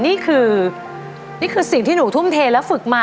นี่คือนี่คือสิ่งที่หนูทุ่มเทและฝึกมา